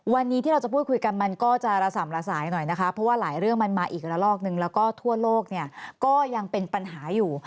วันนี้ที่เราจะพูดคุยกันมันก็จะระส่ำระสายหน่อยนะคะเพราะว่าหลายเรื่องมันมาอีกละลอกนึงแล้วก็ทั่วโลกเนี่ยก็ยังเป็นปัญหาอยู่